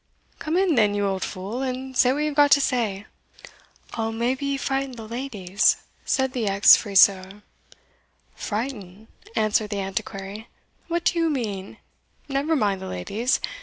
"Come in then, you old fool, and say what you have got to say." "I'll maybe frighten the ladies," said the ex friseur. "Frighten!" answered the Antiquary, "what do you mean? never mind the ladies.